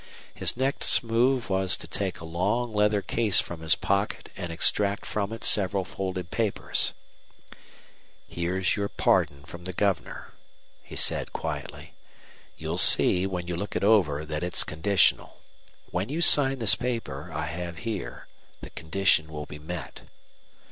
His next move was to take a long leather case from his pocket and extract from it several folded papers. "Here's your pardon from the Governor," he said, quietly. "You'll see, when you look it over, that it's conditional. When you sign this paper I have here the condition will be met."